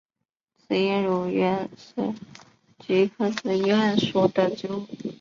紫缨乳菀是菊科紫菀属的植物。